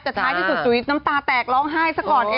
แต่ท้ายที่สุดของจุ๋ยน้ำตาแตกร้องไห้